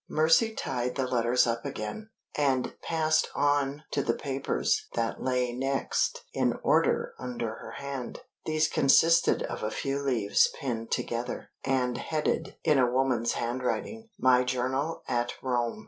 Mercy tied the letters up again, and passed on to the papers that lay next in order under her hand. These consisted of a few leaves pinned together, and headed (in a woman's handwriting) "My Journal at Rome."